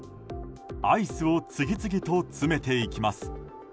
アイスを次々と詰めていきます。